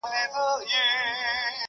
انعامونه درکومه په سل ګوني.!